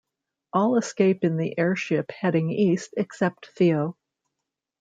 All escape in an airship heading east except Theo.